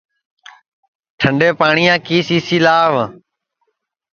ٹھنڈے پاٹؔیا کی سی سی لاو